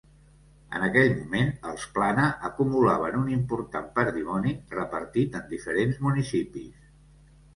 En aquell moment els Plana acumulaven un important patrimoni repartit en diferents municipis.